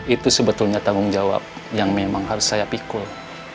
itu sebetulnya tanggung jawab yang memang harus saya pikul